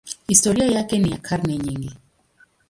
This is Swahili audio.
Historia yake ni ya karne nyingi.